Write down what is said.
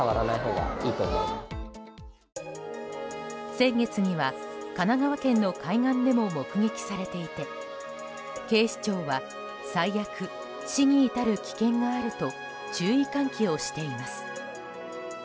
先月には、神奈川県の海岸でも目撃されていて警視庁は最悪、死に至る危険があると注意喚起をしています。